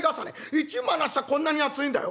１枚の厚さこんなに厚いんだよ。